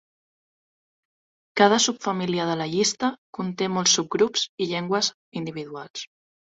Cada subfamília de la llista conté molts subgrups i llengües individuals.